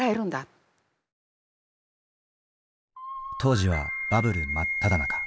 当時はバブル真っただ中。